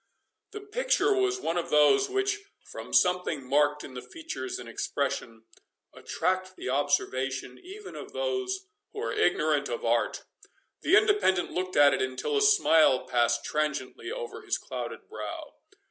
The picture was one of those which, from something marked in the features and expression, attract the observation even of those who are ignorant of art. The Independent looked at it until a smile passed transiently over his clouded brow.